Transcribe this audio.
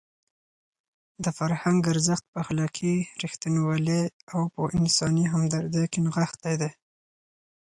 د فرهنګ ارزښت په اخلاقي رښتینولۍ او په انساني همدردۍ کې نغښتی دی.